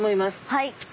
はい。